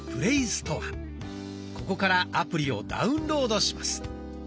ここからアプリをダウンロードします。